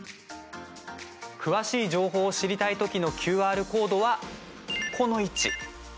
詳しい情報を知りたい時のＱＲコードは、この位置。